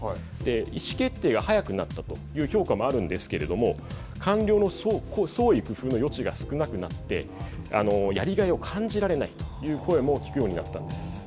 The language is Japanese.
意思決定が早くなったという評価もあるんですけれども官僚の創意工夫の余地が少なくなってやりがいを感じられないという声も聞くようになったんです。